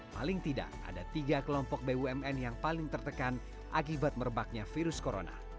paling tidak ada tiga kelompok bumn yang paling tertekan akibat merebaknya virus corona